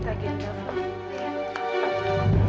tagian sewa gedung